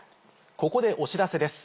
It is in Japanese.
ここでお知らせです。